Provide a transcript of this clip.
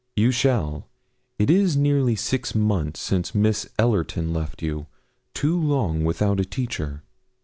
'You shall. It is nearly six months since Miss Ellerton left you too long without a teacher.'